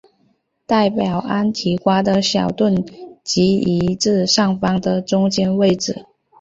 代表安提瓜的小盾即移至上方的中间位置。